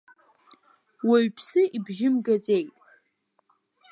Уаҩԥсы ибжьы мгаӡеит.